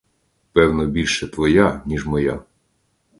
Певно, більше твоя, ніж моя.